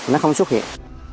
nó không xuất hiện